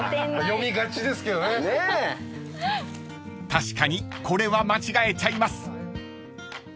［確かにこれは間違えちゃいます］